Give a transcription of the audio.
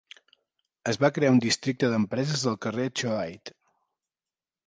Es va crear un districte d'empreses pel carrer Choate.